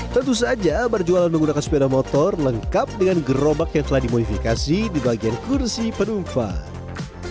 tentu saja berjualan menggunakan sepeda motor lengkap dengan gerobak yang telah dimodifikasi di bagian kursi penumpang